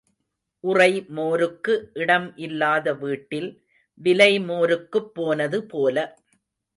உறை மோருக்கு இடம் இல்லாத வீட்டில் விலை மோருக்குப் போனது போல.